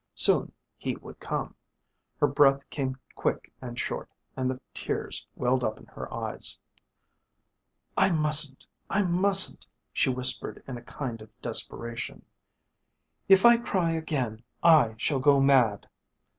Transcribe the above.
Soon he would come. Her breath came quick and short and the tears welled up in her eyes. "I mustn't! I mustn't!" she whispered in a kind of desperation. "If I cry again I shall go mad."